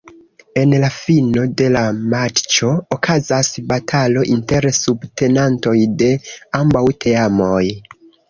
En la fino de la matĉo okazas batalo inter subtenantoj de ambaŭ teamoj.